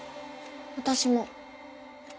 私も。